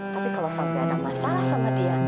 tapi kalau sampai ada masalah sama dia